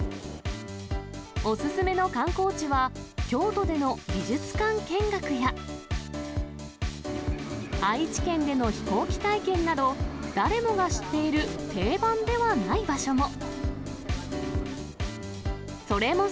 お勧めの観光地は、京都での美術館見学や、愛知県での飛行機体験など、誰もが知っている定番ではない場所も。